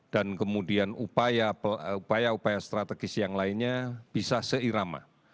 dan kemudian upaya upaya strategis yang lainnya bisa seirama